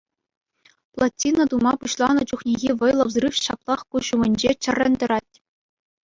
Плотина тума пуҫланӑ чухнехи вӑйлӑ взрыв ҫаплах куҫ умӗнче чӗррӗн тӑрать.